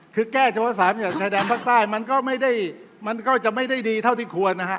คือแก้จังหวัดชายแดนภาคใต้มันก็จะไม่ได้ดีเท่าที่ควร